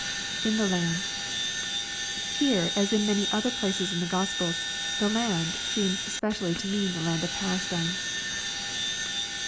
[In the land.] Here, as in many other places in the Gospels, " the land" seems specially to mean the land of Palestine.